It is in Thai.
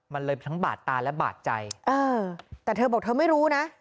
มันเลยทั้งบาดตาและบาดใจเออแต่เธอบอกเธอไม่รู้นะ